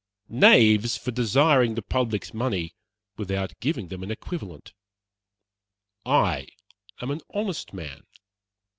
Knaves, for desiring the public's money without giving them an equivalent. I am an honest man.